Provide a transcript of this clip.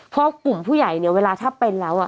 เพราะกลุ่มผู้ใหญ่เนี่ยเวลาถ้าเป็นแล้ว